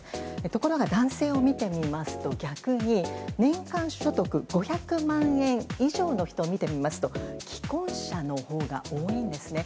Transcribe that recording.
ところが男性を見てみますと逆に年間所得５００万円以上の人を見てみますと既婚者のほうが多いんですね。